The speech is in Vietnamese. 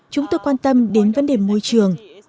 chúng tôi quan tâm đến vấn đề môi trường